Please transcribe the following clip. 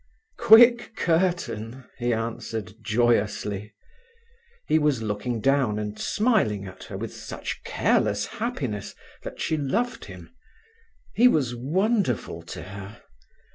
"Quick curtain," he answered joyously. He was looking down and smiling at her with such careless happiness that she loved him. He was wonderful to her.